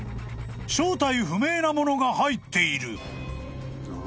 ［正体不明なものが入っている］